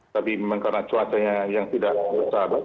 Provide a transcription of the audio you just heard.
tapi memang karena cuacanya yang tidak bersahabat